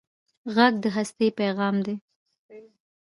غږ د هستۍ پېغام دی